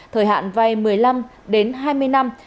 thời hạn vay một mươi năm đến hai mươi năm